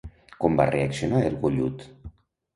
Com va reaccionar el gollut?